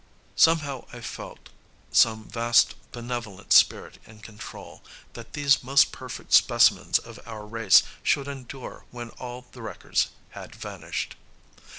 Somehow I felt some vast benevolent spirit in control, that these most perfect specimens of our race should endure when all the wreckers had vanished.